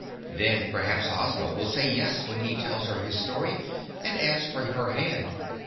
"Then, perhaps Ozma will say yes when he tells her his story and asks for her hand.